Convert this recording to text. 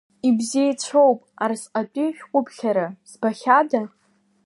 Ибзеицәоуп, арсҟатәи шәҟәыԥхьара збахьада?